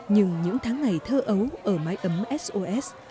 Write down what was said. nhưng những tháng ngày thơ ấu ở mái ấm sos